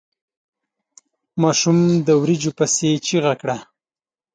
ماشوم د وريجو پسې چيغه کړه.